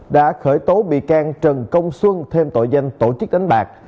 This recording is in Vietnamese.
đã khởi tố bị can trần công xuân thêm tội danh tổ chức đánh bạc